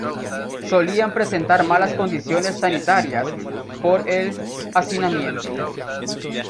Solían presentar malas condiciones sanitarias, por el hacinamiento.